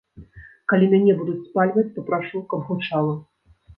Калі мяне будуць спальваць, папрашу, каб гучала.